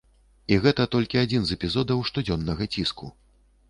І гэта толькі адзін з эпізодаў штодзённага ціску.